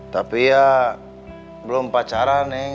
tapi ya belum pacaran nih